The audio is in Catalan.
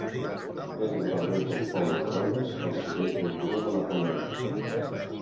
És al nord-est del poble de Rodés, al sud-est del Turó de la Collada.